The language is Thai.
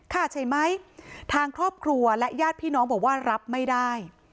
ค่ะใช่ไหมทางครอบครัวและญาติพี่น้องบอกว่ารับไม่ได้